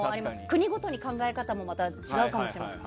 国ごとに考え方もまた違うかもしれません。